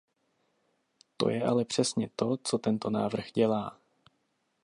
To je ale přesně to, co tento návrh dělá.